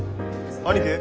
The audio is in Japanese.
兄貴？